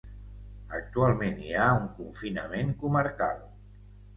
Actualment hi ha un confinament comarcal.